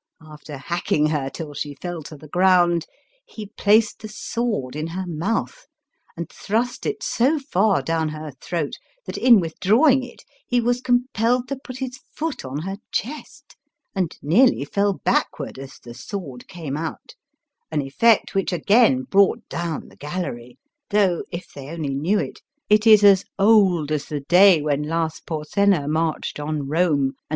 After hacking her till she fell to the ground, he placed the sword in her mouth, and thrust it so far down her throat that in withdrawing it he was compelled to put his foot on her chest, and nearly fell backward as the sword came out, an effect which again brought down the gallery, though, if they only knew it, it is as old as the day when Lars Porsena marched on Eome, and Digitized by VjOOQIC A JAPANESE THEATBE.